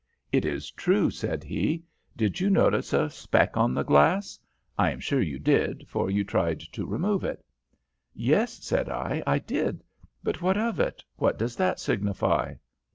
"'It is true,' said he. 'Did you notice a speck on the glass? I am sure you did, for you tried to remove it.' "'Yes,' said I, 'I did. But what of it? What does that signify?'